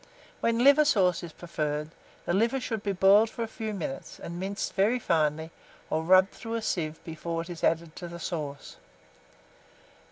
When liver sauce is preferred, the liver should be boiled for a few minutes, and minced very finely, or rubbed through a sieve before it is added to the sauce.